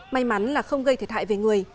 may mắn là không gây thiệt hại về người